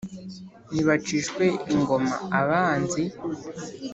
nibacishwe ingoma abanzi,